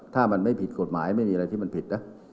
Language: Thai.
ถ้ามันไม่ผิดกฎหมายไม่มีอะไรที่มันผิดนะ